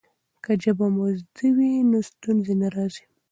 که ژبه مو زده وي نو ستونزې نه راځي.